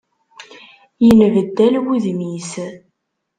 Yenbeddal wudem-is.